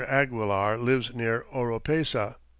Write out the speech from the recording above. Aguilar lives near Oropesa.